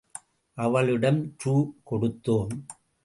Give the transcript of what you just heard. அவளிடம் ரூ.கொடுத்தோம்.